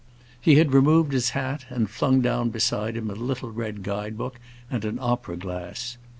He had removed his hat, and flung down beside him a little red guide book and an opera glass.